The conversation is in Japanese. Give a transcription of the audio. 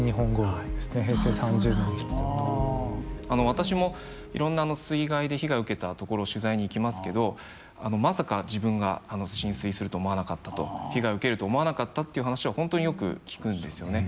私もいろんな水害で被害を受けた所を取材に行きますけどまさか自分が浸水すると思わなかったと被害を受けると思わなかったっていう話は本当によく聞くんですよね。